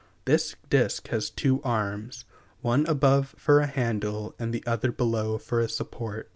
This disk has two arms: one above for a handle and the other below for a support.